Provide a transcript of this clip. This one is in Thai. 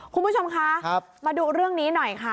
คุณผู้ชมคะมาดูเรื่องนี้หน่อยค่ะ